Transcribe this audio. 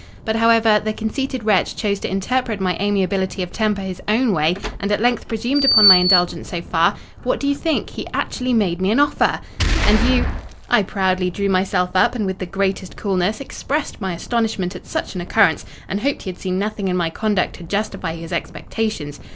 But, however, the conceited wretch chose to interpret my amiability of temper his own way, and at length presumed upon my indulgence so far—what do you think?—he actually made me an offer!" "And you—" "I proudly drew myself up, and with the greatest coolness expressed my astonishment at such an occurrence, and hoped he had seen nothing in my conduct to justify his expectations.